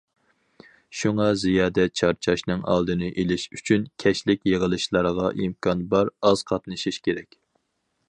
شۇڭا زىيادە چارچاشنىڭ ئالدىنى ئېلىش ئۈچۈن، كەچلىك يىغىلىشلارغا ئىمكان بار ئاز قاتنىشىش كېرەك.